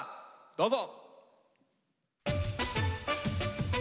どうぞ。